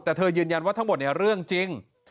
แต่เธอยืนยันว่าทั้งหมดเนี่ยเรื่องจริง